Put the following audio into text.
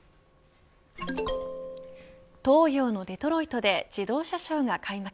東洋のデトロイトで自動車ショーが開幕。